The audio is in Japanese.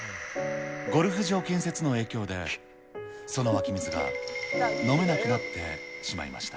ゴルフ場建設の影響で、その湧き水が飲めなくなってしまいました。